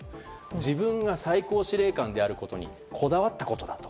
自分が最高司令官であることにこだわったことだと。